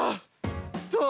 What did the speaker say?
どう？